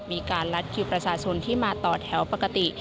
มีการลัดคิวประชาชนที่มาต่อแถวปกติ